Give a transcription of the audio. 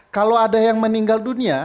kalau ada yang meninggal dunia